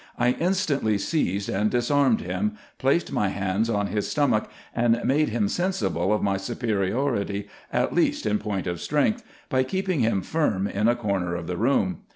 I instantly seized and disarmed him, placed my hands on his stomach, and made him sensible of my superiority, at least in point of strength, by keeping him firm in a corner of the room.